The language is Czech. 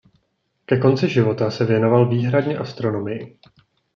Ke konci života se věnoval výhradně astronomii.